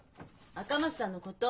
赤松さんのこと。